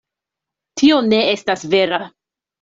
Tio ne estas vera.